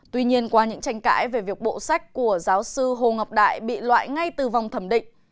tuy nhiên qua những tranh cãi về việc bộ sách của giáo sư hồ ngọc đại bị loại ngay từ vòng thẩm định